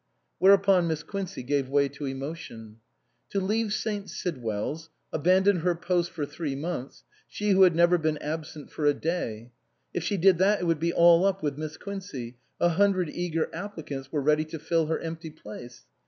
Whereupon Miss Quincey gave way to emotion. To leave St. Sidwell's, abandon her post for three months, she who had never been absent for a day ! If she did that it would be all up with Miss Quincey ; a hundred eager applicants were ready to fill her empty place.